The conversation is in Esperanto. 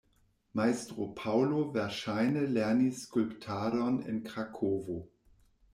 Majstro Paŭlo verŝajne lernis skulptadon en Krakovo.